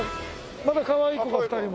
またかわいい子が２人も。